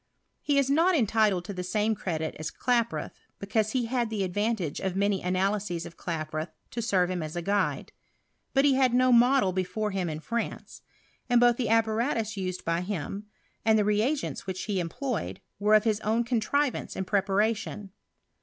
He u not entitled to the same credit as Klaproth, because he had the advant^e of many analyses of Klaproth to serve him as a guide. But he hail no model be fore him in France ; and both the apparatus used by him, and the reagents which he employed, were of his own contrivance and preparation.